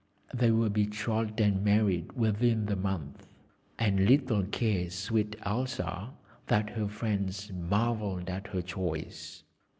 They were betrothed and married within the month, and little cared sweet Elsa that her friends marvelled at her choice.